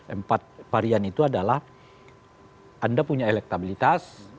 empat varian itu adalah anda punya elektabilitas